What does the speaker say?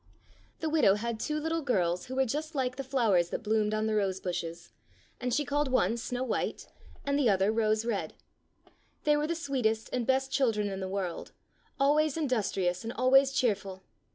The widow had two little girls who were just like the flowers that bloomed on the rose bushes, and she called one Snow white, and the other Rose red. They were the sweetest and best children in the world, always industrious and always cheerful.